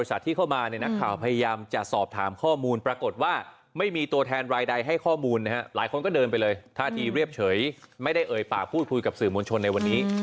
สุดท้ายครับต่อไปแล้ว